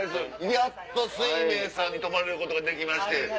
やっと翠明さんに泊まれることができまして。